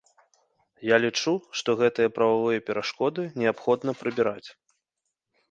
Я лічу, што гэтыя прававыя перашкоды неабходна прыбіраць.